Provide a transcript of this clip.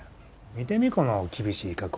見てみこの厳しい加工。